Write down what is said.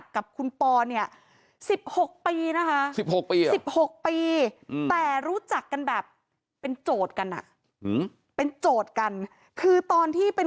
เดี๋ยวเดี๋ยวในเสียงนี้เดี๋ยวเดี๋ยวท่านจะเล่าอะไรละเอียดให้ฟังเพิ่มเติม